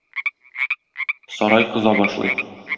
Сарай кыза башлый.